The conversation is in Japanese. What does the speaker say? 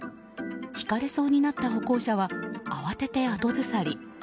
ひかれそうになった歩行者は慌てて後ずさり。